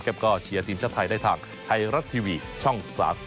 ก็เชียร์ทีมชาติไทยได้ทางไทยรัฐทีวีช่อง๓๒